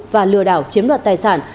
và lừa đảo chiếm đoạt tài sản